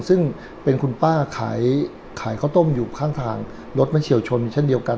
ซึ่งเป็นคุณป้าขายขายข้าวต้มอยู่ข้างทางรถมันเฉียวชนเช่นเดียวกัน